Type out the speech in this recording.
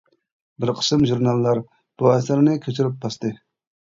بىر قىسىم ژۇرناللار بۇ ئەسەرنى كۆچۈرۈپ باستى.